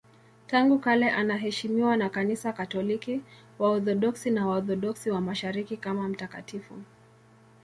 Tangu kale anaheshimiwa na Kanisa Katoliki, Waorthodoksi na Waorthodoksi wa Mashariki kama mtakatifu.